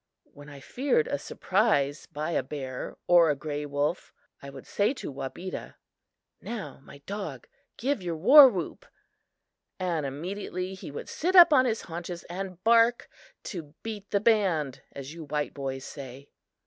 When I feared a surprise by a bear or a grey wolf, I would say to Wabeda: "Now, my dog, give your war whoop:" and immediately he would sit up on his haunches and bark "to beat the band" as you white boys say.